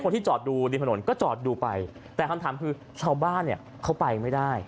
ที่จอดดูริมถนนก็จอดดูไปแต่คำถามคือชาวบ้านเนี่ยเขาไปไม่ได้